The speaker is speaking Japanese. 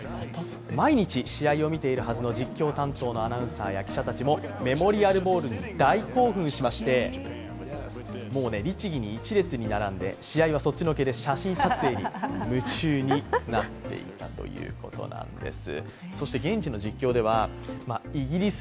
毎日試合を見ているはずの実況担当のアナウンサーや記者たちもメモリアルボールに大興奮しましてもう、律儀に一列に並んで試合はそっちのけで写真撮影に夢中になってたということなんです。